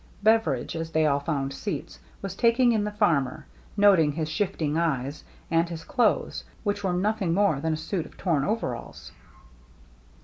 Beveridge, as they all found seats, was tak ing in the farmer, noting his shifting eyes, and his clothes, which were nothing more than a suit of torn overalls.